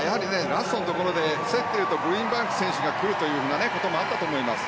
ラストのところで競っているとグリーンバンク選手が来るというふうなこともあったと思います。